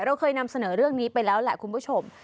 เราเคยนำเสนอเรื่องนี้ไปแล้วแหละคุณผู้ชม